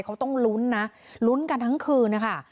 เขาต้องลุ้นนะลุ้นกันทั้งคืนนะคะ